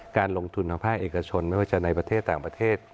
การลงทุนทางภาคเอกชนไม่ว่าจะในประเทศต่างประเทศ